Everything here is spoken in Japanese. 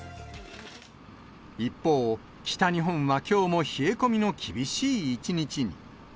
一方、北日本はきょうも冷え込みの厳しい一日に。